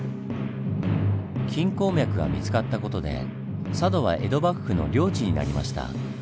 金鉱脈が見つかった事で佐渡は江戸幕府の領地になりました。